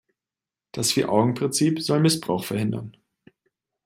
Das Vier-Augen-Prinzip soll Missbrauch verhindern.